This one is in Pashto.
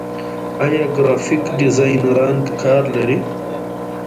آیا ګرافیک ډیزاینران کار لري؟